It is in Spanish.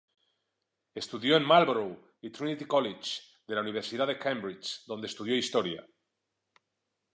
Estudió en Marlborough y Trinity College, de la Universidad de Cambridge, donde estudió historia.